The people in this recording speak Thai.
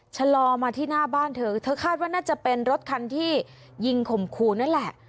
ชะลอมาที่หน้าบ้านเธอเธอคาดว่าน่าจะเป็นรถคันที่ยิงข่มขู่นั่นแหละ